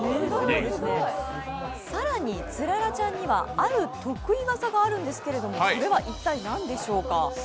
更にツララちゃんにはある得意技があるんですけどそれは一体何でしょうか。